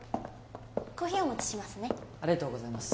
コーヒーお持ちしますねありがとうございます